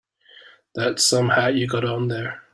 That's some hat you got on there.